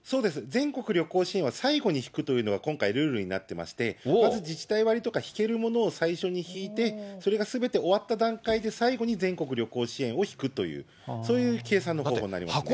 全国旅行支援は最後に引くというのが今回、ルールになってまして、まず自治体割とか、引けるものを最初に引いて、それがすべて終わった段階で、最後に全国旅行支援を引くという、そういう計算のしかたになりますね。